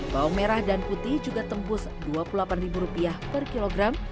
bawang merah dan putih juga tembus dua puluh delapan ribu rupiah per kilogram